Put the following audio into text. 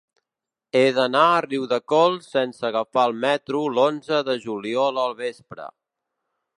He d'anar a Riudecols sense agafar el metro l'onze de juliol al vespre.